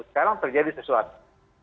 sekarang terjadi sesuatu